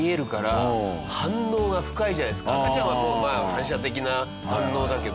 赤ちゃんはもう反射的な反応だけど。